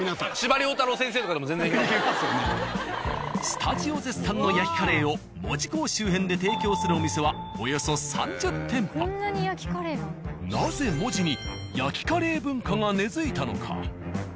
スタジオ絶賛の焼きカレーを門司港周辺で提供するお店はなぜ門司に焼きカレー文化が根づいたのか。